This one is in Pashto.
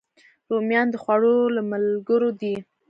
رومیان د خوړو له ملګرو دي